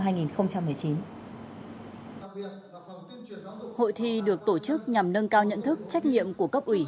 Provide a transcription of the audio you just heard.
hội thi được tổ chức nhằm nâng cao nhận thức trách nhiệm của cấp ủy